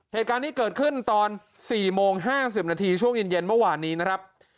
เหตุการณ์นี้เกิดขึ้นตอน๔โมง๕๐นาทีช่วงเย็นเมื่อวานนี้นะครับ